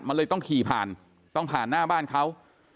มันเลยต้องขี่ผ่านต้องผ่านหน้าบ้านเขา